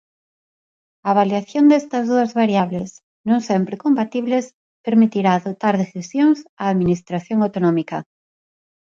A avaliación destas dúas variables, non sempre compatibles, permitirá adoptar decisións á administración autonómica.